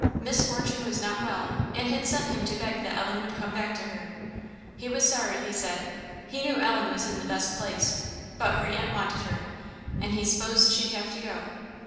Miss Fortune was not well, and had sent him to beg that Ellen would come back to her. He was sorry, he said; he knew Ellen was in the best place; but her aunt wanted her, and "he s'posed she'd have to go."